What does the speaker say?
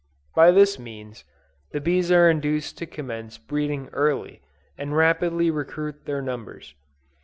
By this means, the bees are induced to commence breeding early, and rapidly recruit their numbers.